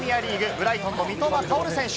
ブライトンの三笘薫選手。